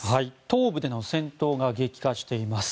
東部での戦闘が激化しています。